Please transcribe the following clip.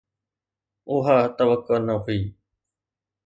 اها توقع نه هئي.